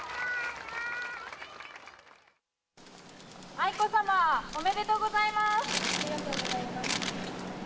愛子さま、ありがとうございます。